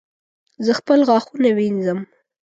زه خپل غاښونه وینځم